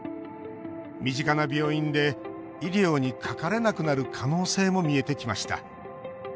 身近な病院で医療にかかれなくなる可能性も見えてきました。